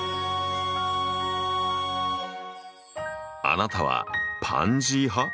あなたはパンジー派？